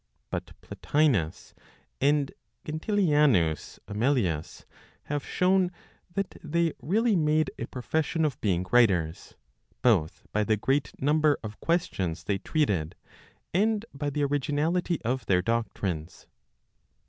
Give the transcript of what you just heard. But Plotinos and Gentilianus Amelius, have shown that they really made a profession of being writers, both by the great number of questions they treated, and by the originality of their doctrines.